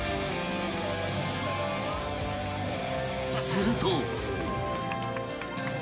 ［すると］